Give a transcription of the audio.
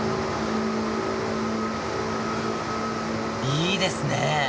いいですね！